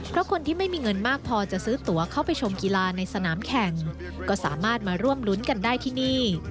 เพราะคนที่ไม่มีเงินมากพอจะซื้อตัวเข้าไปชมกีฬาในสนามแข่งก็สามารถมาร่วมรุ้นกันได้ที่นี่